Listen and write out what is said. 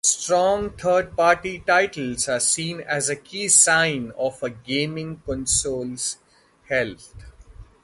Strong third-party titles are seen as a key sign of a gaming console's health.